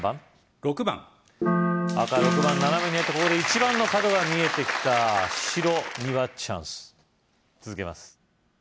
６番赤６番斜めに入ったここで１番の角が見えてきた白にはチャンス続けます